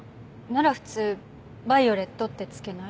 なら普通「ヴァイオレット」って付けない？